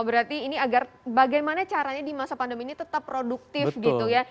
berarti ini agar bagaimana caranya di masa pandemi ini tetap produktif gitu ya